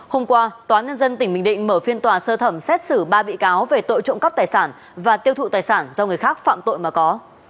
hôm qua tòa nhân dân tỉnh bình định mở phiên tòa sơ thẩm xét xử ba bị cáo về tội trộm cắp tài sản và tiêu thụ tài sản do người khác phạm tội mà có